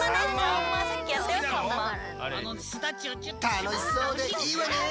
たのしそうでいいわね！